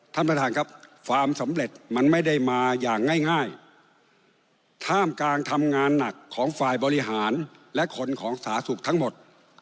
ท่านประธานครับความสำเร็จมันไม่ได้มาอย่างง่ายท่ามกลางทำงานหนักของฝ่ายบริหารและคนของสาธารณสุขทั้งหมด